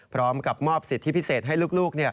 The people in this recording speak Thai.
พร้อมกับมอบสิทธิพิเศษให้ลูก